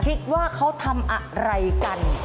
คิดว่าเขาทำอะไรกัน